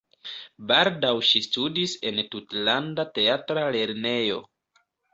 Baldaŭ ŝi studis en Tutlanda Teatra Lernejo.